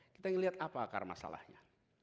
kita melihat apa akar masalahnya